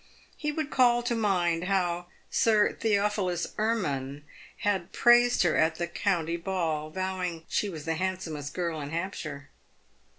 He would call to mind how Sir Theophilus Ermine had praised her at the county ball, vowing she was the handsomest girl in Hampshire.